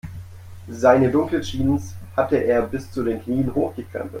Seine dunkle Jeans hatte er bis zu den Knien hochgekrempelt.